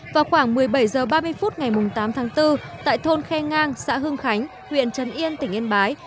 vào khoảng một mươi bảy h ba mươi phút ngày tám tháng bốn tại thôn khe ngang xã hương khánh huyện trần yên tỉnh yên bái